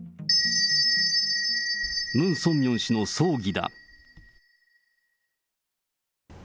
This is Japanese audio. ムン・ソンミョン氏の葬儀だ。